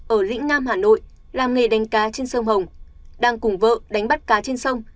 ở lĩnh nam hà nội làm nghề đánh cá trên sông hồng đang cùng vợ đánh bắt cá trên sông